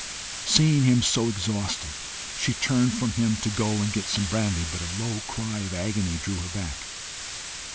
Seeing him so exhausted, she turned from him to go and get some brandy, but a low cry of agony drew her back.